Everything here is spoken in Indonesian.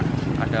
ada satu buah